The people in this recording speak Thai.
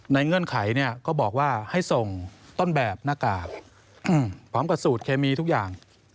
เงื่อนไขเนี่ยก็บอกว่าให้ส่งต้นแบบหน้ากากพร้อมกับสูตรเคมีทุกอย่าง